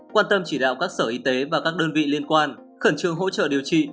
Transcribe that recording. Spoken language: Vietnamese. quan tâm chỉ đạo các sở y tế và các đơn vị liên quan khẩn trương hỗ trợ điều trị